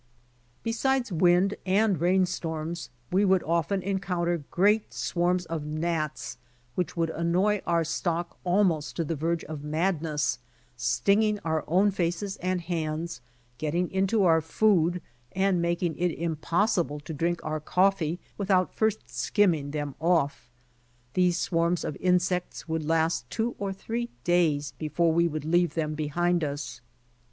Besides wind and rain storms we would often encounter great swarms of gnats, which would annoy our stock almost to the verge of madness, stinging our own faces and hands, getting into our food and making it impossible to drink our coffee, without first skim ming them off. These swarms of insects would last two or three days before we would leave them behind us.